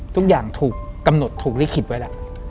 ทุกอย่างถูกกำหนดถูกลิขิตไว้ล่ะ